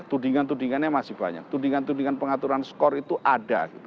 tudingan tudingannya masih banyak tudingan tudingan pengaturan skor itu ada